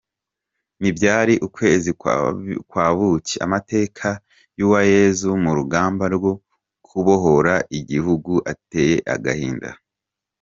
Ntibyari ukwezi kwa bukiAmateka ya Uwayezu mu rugamba rwo kubohora igihugu ateye agahinda.